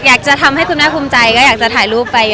อยากจะทำให้คุณแม่ภูมิใจก็อยากจะถ่ายรูปไปเยอะ